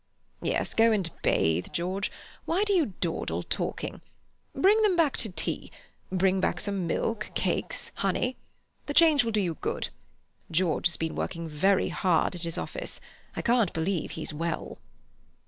"Yes, go and bathe, George. Why do you dawdle talking? Bring them back to tea. Bring back some milk, cakes, honey. The change will do you good. George has been working very hard at his office. I can't believe he's well."